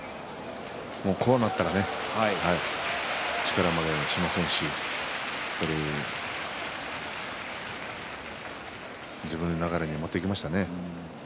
こうなったら力負けしませんしやっぱり自分の流れに持っていけましたね。